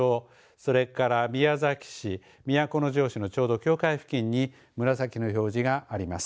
それから宮崎市都城市のちょうど境界付近に紫の表示があります。